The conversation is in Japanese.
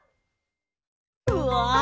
うわ！